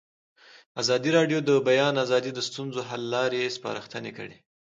ازادي راډیو د د بیان آزادي د ستونزو حل لارې سپارښتنې کړي.